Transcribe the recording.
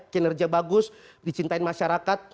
kinerja bagus dicintain masyarakat